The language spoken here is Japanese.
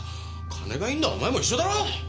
金が要るのはお前も一緒だろ！